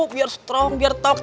biar strong biar takut